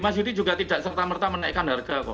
mas yudi juga tidak serta merta menaikkan harga kok